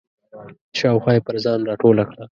شاوخوا یې پر ځان راټوله کړه.